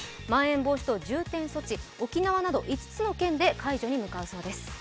まん延防止等重点措置、沖縄など５つの県で解除に向かうそうです。